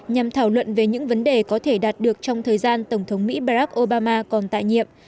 nhằm thảo luận về những vấn đề có thể đạt được trong thời gian tổng thống mỹ barack obama còn tại nhiệm